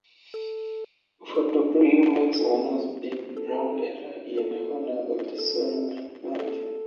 Voodoo Brewery makes "Wynona's Big Brown Ale" in honor of the song and band.